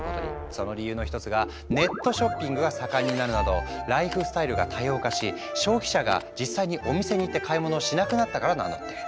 その理由の一つがネットショッピングが盛んになるなど消費者が実際にお店に行って買い物をしなくなったからなんだって。